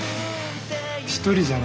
一人じゃね